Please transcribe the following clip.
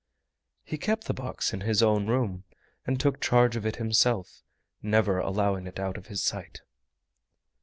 He kept the box in his own room and took charge of it himself, never allowing it out of his sight.